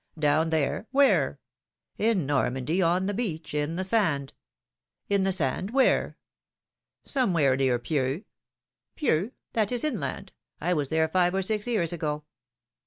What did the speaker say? ^ Down there — where ?' ^^^In Normandy, on the beach, in the sand.' ^^^In the sand, where?' ^ Somewhere near Pieux.' ^^^Pieux? that is inland; I was there five or six years ago.